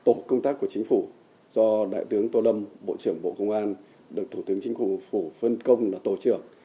tổ công tác của chính phủ do đại tướng tô lâm bộ trưởng bộ công an được thủ tướng chính phủ phủ phân công là tổ trưởng